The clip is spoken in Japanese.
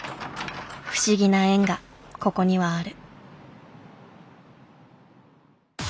不思議な縁がここにはある。